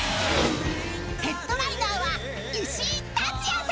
［ヘッドライナーは石井竜也さん！］